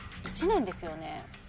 １年ですよね？